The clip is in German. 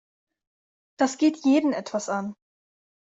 Das geht jeden etwas an.